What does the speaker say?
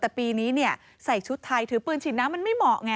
แต่ปีนี้เนี่ยใส่ชุดไทยถือปืนฉีดน้ำมันไม่เหมาะไง